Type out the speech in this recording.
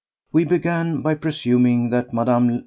We began by presuming that Mme.